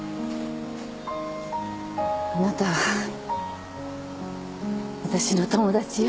あなたは私の友達よ。